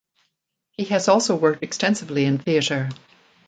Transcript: He has also worked extensively in theatre.